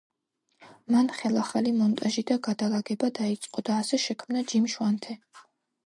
მან ხელახალი მონტაჟი და გადალაგება დაიწყო და ასე შექმნა „ჯიმ შვანთე“.